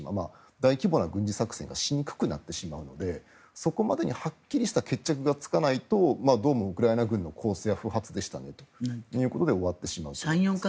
大規模な軍事作戦がしにくくなってしまうのでそこまでにはっきりした決着がつかないとどうもウクライナ軍の攻勢は不発でしたねということで終わってしまう。